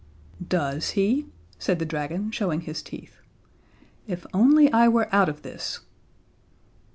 "Does he?" said the dragon, showing his teeth. "If only I were out of this!"